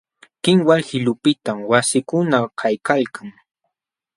Kinwal qilupiqtam wasikuna kaykalkan.